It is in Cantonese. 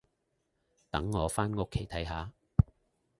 等我返屋企睇下